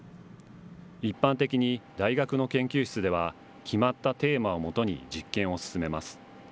一般的に、大学の研究室では、決まったテーマをもとに実験を進めます。